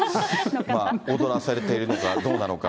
踊らされているのか、どうなのか。